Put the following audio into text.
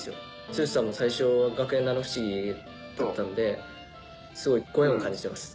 剛さんも最初「学園七不思議」だったんですごいご縁を感じてます。